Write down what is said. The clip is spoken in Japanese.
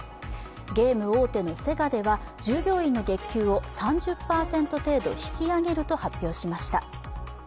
ゲーム大手のセガでは従業員の月給を３０％程度引き上げると発表しました。